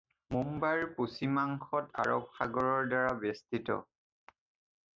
মুম্বাইৰ পশ্চিমাংশ আৰব সাগৰৰ দ্বাৰা বেষ্টিত।